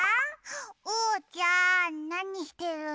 おうちゃんなにしてるの？